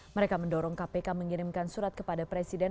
mereka mendorong kpk mengirimkan surat kepada presiden